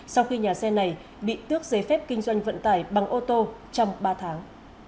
sau khi nhà xe này bị tước giấy phép kinh doanh vận tải bằng ô tô trong ba tháng